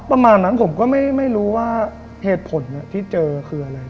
ประมาณนั้นผมก็ไม่รู้ว่าเหตุผลที่เจอคืออะไร